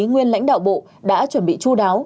nguyên lãnh đạo bộ đã chuẩn bị chu đáo